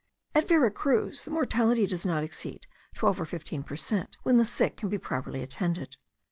At Vera Cruz the mortality does not exceed twelve or fifteen per cent, when the sick can be properly attended.